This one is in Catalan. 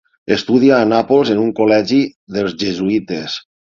Estudià a Nàpols en un col·legi dels jesuïtes.